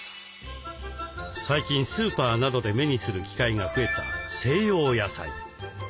最近スーパーなどで目にする機会が増えた西洋野菜。